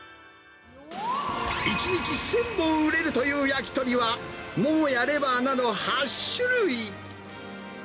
１日１０００本売れるという焼き鳥は、モモやレバーなど８種類。